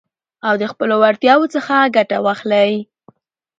او د خپلو وړتياوو څخه ګټه واخلٸ.